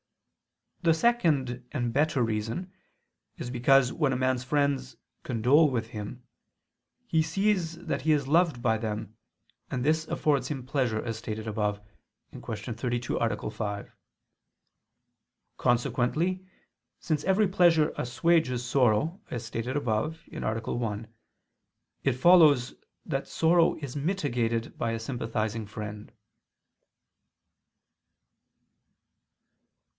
The second and better reason is because when a man's friends condole with him, he sees that he is loved by them, and this affords him pleasure, as stated above (Q. 32, A. 5). Consequently, since every pleasure assuages sorrow, as stated above (A. 1), it follows that sorrow is mitigated by a sympathizing friend.